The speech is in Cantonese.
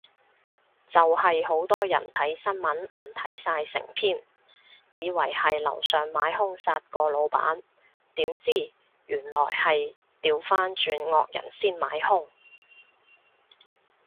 就係好多人睇新聞唔睇晒成篇，以為係樓上買兇殺個老闆，點知原來係掉返轉惡人先買兇